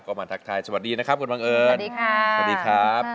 ก็มาทักทายสวัสดีนะครับคุณบังเอิญสวัสดีค่ะสวัสดีครับ